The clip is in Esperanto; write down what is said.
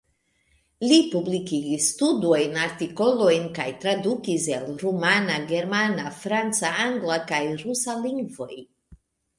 Li publikigis studojn, artikolojn kaj tradukis el rumana, germana, franca, angla kaj rusa lingvoj.